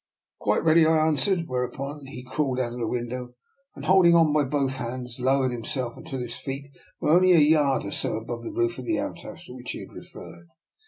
"" Quite ready," I answered; whereupon he crawled out of the window, and, holding on by both hands, lowered himself until his feet were only a yard or so above the roof of the outhouse to which he had referred.